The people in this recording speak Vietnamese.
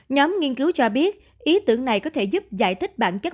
nhóm nghiên cứu cho biết ý tưởng này có thể giúp giải thích bản chất